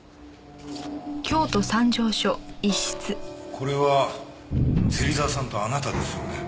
これは芹沢さんとあなたですよね？